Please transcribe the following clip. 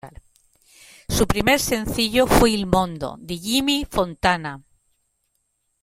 Su primer sencillo fue Il Mondo, de Jimmy Fontana.